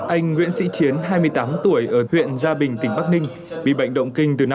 anh nguyễn sĩ chiến hai mươi tám tuổi ở huyện gia bình tỉnh bắc ninh bị bệnh động kinh từ năm hai nghìn một mươi bảy